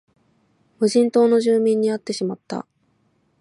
無人島の住民に会ってしまった